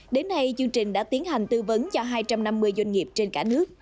đến nay chương trình đã tiến hành tư vấn cho hai trăm năm mươi doanh nghiệp trên cả nước